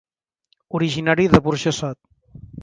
Originari de Burjassot.